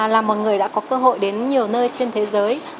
là một người đã có cơ hội đến nhiều nơi trên thế giới